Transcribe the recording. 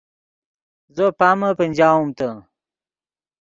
زو پامے پنجاؤم تے